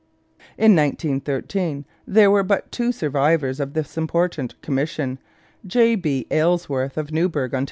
In 1913 there were but two survivors of this important commission, J. B. Aylesworth of Newburgh, Ont.